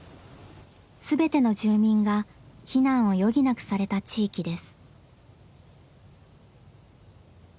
全ての住民が避難を余儀なくされた地域です。